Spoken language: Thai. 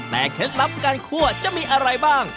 แต่เคล็ดลับการคั่วจะมีอะไรบ้าง